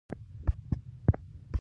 پولي تخنیک پوهنتون څومره محصلین لري؟